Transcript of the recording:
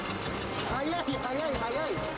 速い、速い、速い！